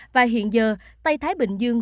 và hiện giờ tây thái bình dương